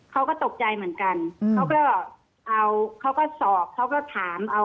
เขาก็ตกใจเหมือนกันเขาก็สอบเขาก็ถาม